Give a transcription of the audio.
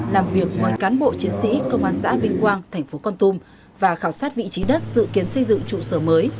làm việc với cán bộ chiến sĩ công an xã vinh quang tp con tum và khảo sát vị trí đất dự kiến xây dựng trụ sở mới